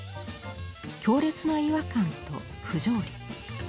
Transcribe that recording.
強烈な違和感と不条理。